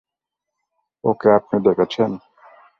ওকে আপনি ডেকেছেন?